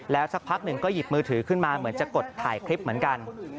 สักพักหนึ่งก็หยิบมือถือขึ้นมาเหมือนจะกดถ่ายคลิปเหมือนกัน